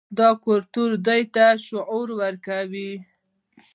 دا کلتور دوی ته شعور ورکوي.